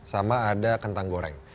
sama ada kentang goreng